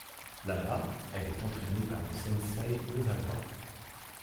Là-bas, elle est entraînée par le Sensei Osawa.